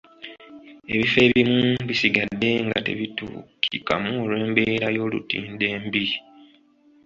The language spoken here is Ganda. Ebifo ebimu bisigadde nga tebituukikamu olw'embeera y'olutindo embi.